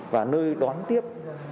và nơi đón tiếp